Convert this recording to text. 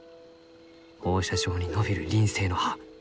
放射状に伸びる輪生の葉